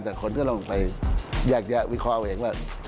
แต่คนก็ลองไปแยกวิเคราะห์เองว่า